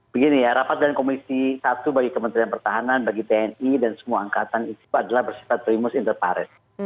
begini ya rapat dan komisi satu bagi kementerian pertahanan bagi tni dan semua angkatan itu adalah bersifat primus inter paris